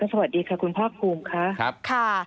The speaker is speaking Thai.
สวัสดีค่ะคุณภาคภูมิค่ะครับค่ะ